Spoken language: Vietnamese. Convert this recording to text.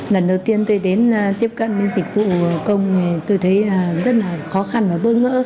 lần đầu tiên tôi đến tiếp cận với dịch vụ công thì tôi thấy rất là khó khăn và bơ ngỡ